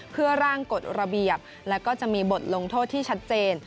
เพื่อร่างกฎระเบียบและก็จะมีบทลงโทษที่ชัดเจน